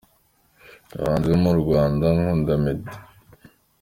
Mu bahanzi bo mu Rwanda nkunda Meddy.